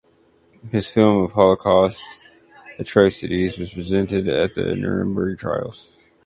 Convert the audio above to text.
His film of Holocaust atrocities was presented at the Nuremberg trials.